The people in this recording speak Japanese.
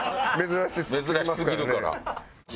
珍しすぎるから。